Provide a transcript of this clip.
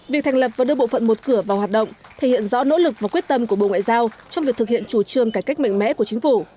việc thành lập và đưa bộ phận một cửa vào hoạt động thể hiện rõ nỗ lực và quyết tâm của bộ ngoại giao trong việc thực hiện chủ trương cải cách mạnh mẽ của chính phủ